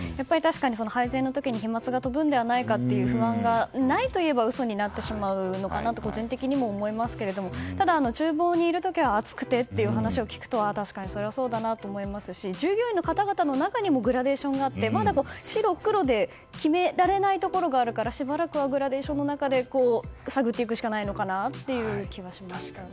配膳の時に飛沫が飛ぶのではないかという不安がないといえば嘘になってしまうのかなと個人的には思いますけどただ、厨房にいる時は暑くてという話を聞くと確かにそれはそうだなと思いますし従業員の方々の中にもグラデーションがあってまだ、白黒で決められないところがあるからしばらくはグラデーションの中で探っていくしかないのかなという気がしましたね。